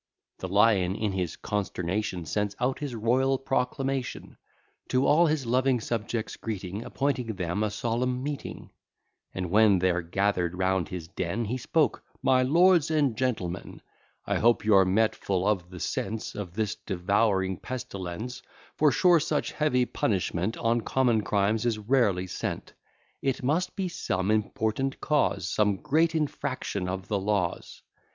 The lion in this consternation. Sends out his royal proclamation, To all his loving subjects greeting, Appointing them a solemn meeting: And when they're gather'd round his den, He spoke, My lords and gentlemen, I hope you're met full of the sense Of this devouring pestilence; For sure such heavy punishment, On common crimes is rarely sent; It must be some important cause, Some great infraction of the laws.